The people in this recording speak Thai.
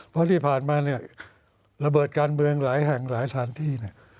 เพราะที่ผ่านมาเนี่ยระเบิดการเมืองหลายแห่งหลายสถานที่เนี่ย